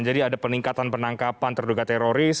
jadi ada peningkatan penangkapan terduga teroris